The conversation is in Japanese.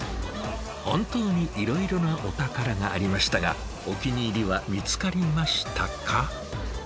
本当にいろいろなお宝がありましたがお気に入りは見つかりましたか？